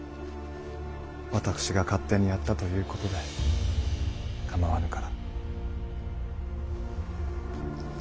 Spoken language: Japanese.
私が勝手にやったということで構わぬから。